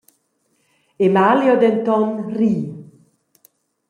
Emalio denton ri.